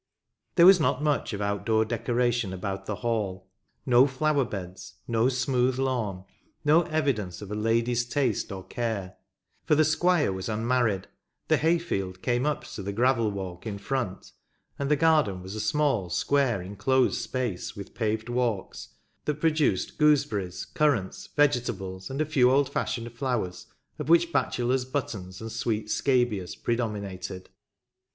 There was not much of out door decoration about the Hall, no flower beds, no smooth lawn, no evidence of a lady's taste or care, for the Squire was unmarried; the hay field came up to the gravel walk in front, and the garden was a small square inclosed space 6 ^^^^■""i^^HMVi^^ViMliPVVWBBiVMBiiVMHHHi * RiVERTON. with paved walks, that produced gooseberries, currants, vegetables, and a few old fashioned flowers, of which bachelors buttons and sweet scabious predominated.